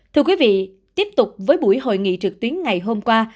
thưa quý vị tiếp tục với buổi hội nghị trực tuyến ngày hôm qua